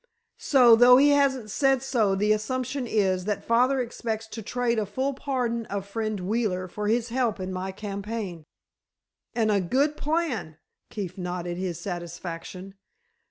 So, though he hasn't said so, the assumption is, that father expects to trade a full pardon of Friend Wheeler for his help in my campaign." "And a good plan," Keefe nodded his satisfaction.